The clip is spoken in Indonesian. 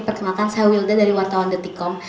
perkenalkan saya wilda dari wartawan detikom